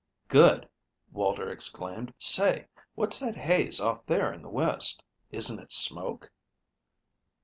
"Good!" Walter exclaimed. "Say, what's that haze off there in the west? Isn't it smoke?"